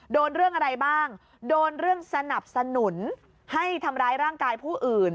โดนเรื่องอะไรบ้างโดนเรื่องสนับสนุนให้ทำร้ายร่างกายผู้อื่น